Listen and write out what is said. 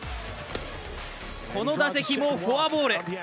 この打席もフォアボール。